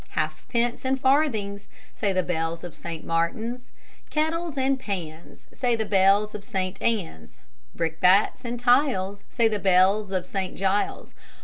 "Halfpence and farthings," Say the bells of St. Martin's. "Kettles and pans," Say the bells of St. Ann's. "Brickbats and tiles," Say the bells of St. Giles.